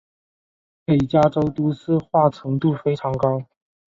北加州都市化程度非常高。